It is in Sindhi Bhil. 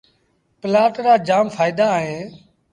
پلآٽ رآ جآم ڦآئيدآ اهيݩ۔